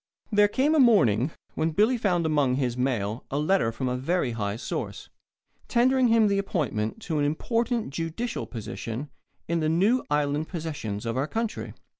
There came a morning when Billy found among his mail a letter from a very high source, tendering him the appointment to an important judicial position in the new island possessions of our country.